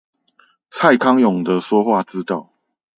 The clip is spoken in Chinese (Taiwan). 蔡康永的說話之道